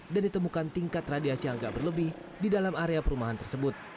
dan ditemukan tingkat radiasi yang gak berlebih di dalam area perumahan tersebut